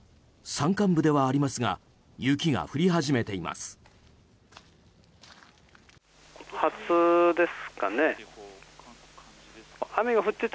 山間部ではありますが雪が降り始めています。